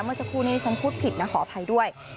เมื่อสักครู่นี้ฉันพูดผิดนะขออภัยด้วย